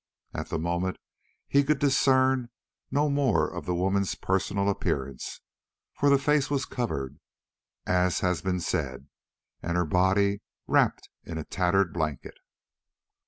At the moment he could discern no more of the woman's personal appearance, for the face was covered, as has been said, and her body wrapped in a tattered blanket.